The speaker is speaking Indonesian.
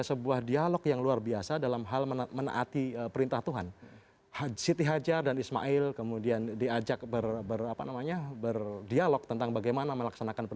kemudian dia mengasihi betul betul anak